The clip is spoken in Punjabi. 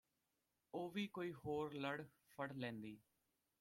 ਉਹ ਵੀ ਕੋਈ ਹੋਰ ਲੜ ਫੜ ਲੈਂਦੀ